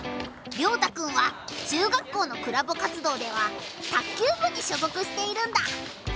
凌大くんは中学校のクラブ活動では卓球部に所属しているんだ。